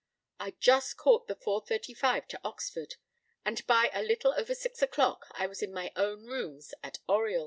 I just caught the 4.35 to Oxford, and by a little over six o'clock I was in my own rooms at Oriel.